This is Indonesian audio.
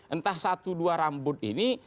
entah satu dua rambut ini